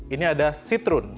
ini ada citrun